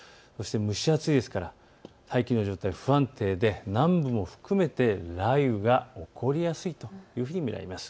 蒸し暑いですから大気の状態不安定で南部も含めて雷雨が起こりやすいというふうに見られます。